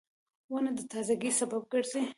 • ونه د تازهګۍ سبب ګرځي.